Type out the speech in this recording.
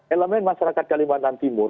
elemen masyarakat kalimantan timur